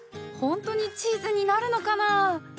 ほんとにチーズになるのかな？